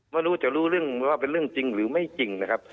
ไม่รู้จะรู้เรื่องว่าเป็นเรื่องจริงหรือไม่จริงนะครับ